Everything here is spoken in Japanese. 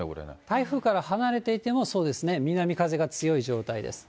台風から離れていても、そうですね、南風が強い状態です。